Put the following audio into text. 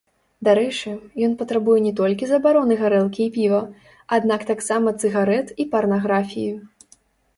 Дарэчы, ён патрабуе не толькі забароны гарэлкі і піва, аднак таксама цыгарэт і парнаграфіі.